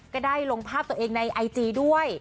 ก็ได้ลงภาพตัวเองในไอจีด้วย